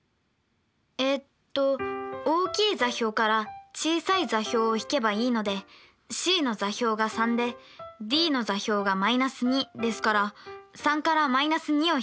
えっと大きい座標から小さい座標を引けばいいのでＣの座標が３でＤの座標が−２ですから３から−２を引きます。